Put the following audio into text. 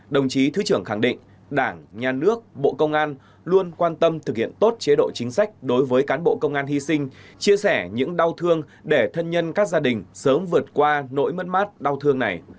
đồng chí thứ trưởng khẳng định đảng nhà nước bộ công an luôn quan tâm thực hiện tốt chế độ chính sách đối với cán bộ công an hy sinh chia sẻ những đau thương để thân nhân các gia đình sớm vượt qua nỗi mất mát đau thương này